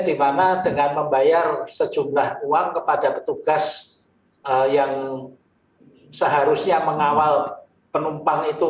di mana dengan membayar sejumlah uang kepada petugas yang seharusnya mengawal penumpang itu